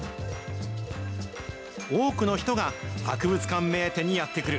多くの人が博物館目当てにやって来る。